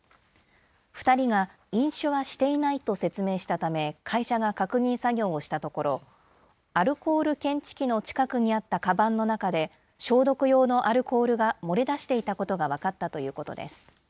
２人が飲酒はしていないと説明したため、会社が確認作業をしたところ、アルコール検知器の近くにあったかばんの中で、消毒用のアルコールが漏れ出していたことが分かったということです。